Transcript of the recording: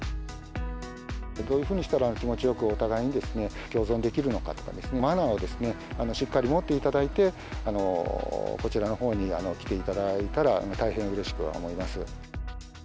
どういうふうにしたら、気持ちよくお互いに共存できるのかとかですね、マナーをしっかり持っていただいて、こちらのほうに来ていただいたら大変うれしく思います。